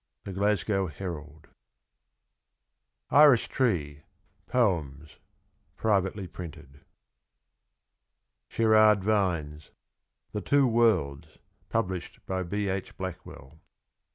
— The Glasgow Herald. Iris Tree. POEMS. Privately printed. Sherard Vines. THE TWO WORLDS. Published by B. H. Blackwell.